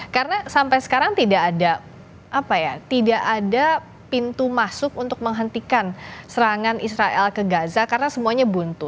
karena sampai sekarang tidak ada apa ya tidak ada pintu masuk untuk menghentikan serangan israel ke gaza karena semuanya buntu